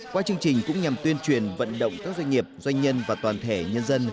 qua chương trình cũng nhằm tuyên truyền vận động các doanh nghiệp doanh nhân và toàn thể nhân dân